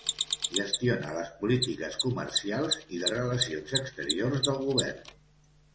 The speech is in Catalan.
Gestiona les polítiques comercials i de relacions exteriors del govern.